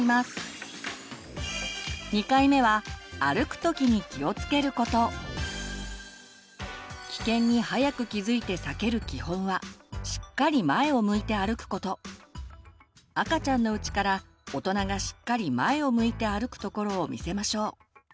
２回目は危険に早く気付いて避ける基本は赤ちゃんのうちから大人がしっかり前を向いて歩くところを見せましょう。